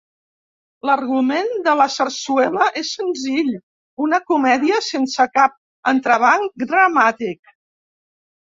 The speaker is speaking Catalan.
L'argument de la sarsuela és senzill, una comèdia sense cap entrebanc dramàtic.